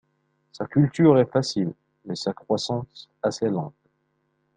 Sa culture est facile, mais sa croissance assez lente.